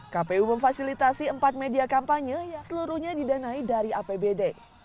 kpu memfasilitasi empat media kampanye yang seluruhnya didanai dari apbd